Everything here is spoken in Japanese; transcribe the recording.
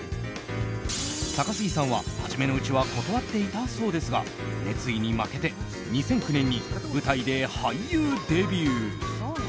高杉さんは、初めのうちは断っていたそうですが熱意に負けて２００９年に舞台で俳優デビュー。